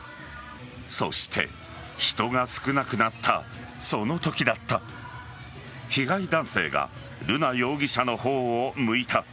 そして人が少なくなったそのときだった被害男性が瑠奈容疑者の方を向いた。